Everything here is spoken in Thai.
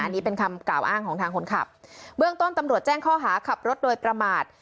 อันนี้เป็นคำกล่าวอ้างของทางคนขับเบื้องต้นตำรวจแจ้งข้อหาขับรถโดยประมาท